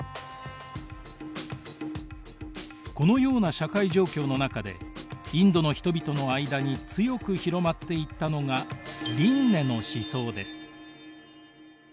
このような社会状況の中でインドの人々の間に強く広まっていったのが輪廻の思想です。